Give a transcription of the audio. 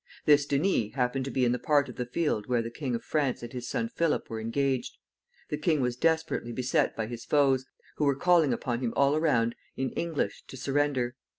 This Denys happened to be in the part of the field where the King of France and his son Philip were engaged. The king was desperately beset by his foes, who were calling upon him all around in English to surrender.